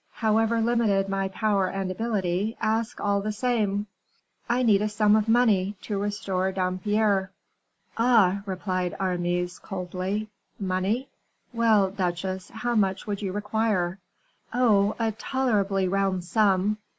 "However limited my power and ability, ask all the same." "I need a sum of money, to restore Dampierre." "Ah!" replied Aramis, coldly "money? Well, duchesse, how much would you require?" "Oh! a tolerably round sum."